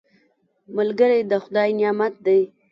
ملګری د خدای نعمت دی